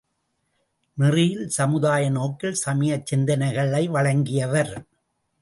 நெறியில் சமுதாய நோக்கில் சமயச் சிந்தனைகளை வழங்கியவர்.